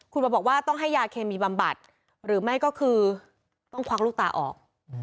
มาบอกว่าต้องให้ยาเคมีบำบัดหรือไม่ก็คือต้องควักลูกตาออก